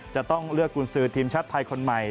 จะต้องเลือกกุญสือทีมชาติไทยคนใหม่